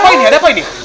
ada apa ini